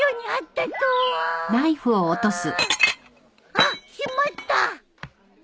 あっしまった！